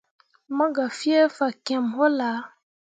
Mo gah fie fakyẽmme wullah.